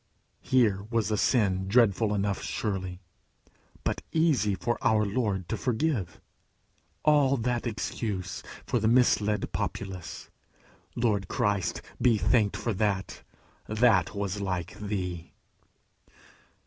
Here was a sin dreadful enough surely but easy for our Lord to forgive. All that excuse for the misled populace! Lord Christ be thanked for that! That was like thee!